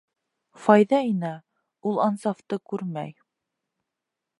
Файза инә, ул Ансафты күрмәй.